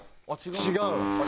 違う？